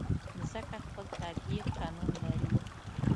مځکه خپل طبیعي قانون لري.